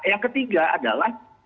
yang ketiga adalah